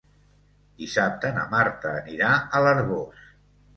Dissabte na Marta anirà a l'Arboç.